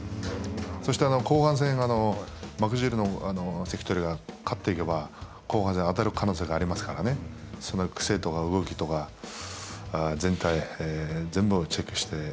そして、後半戦、幕尻の関取が勝っていけば後半で当たる可能性がありますからね癖とか動きとか全体、全部をチェックして。